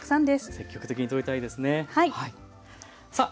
積極的にとりたいですね。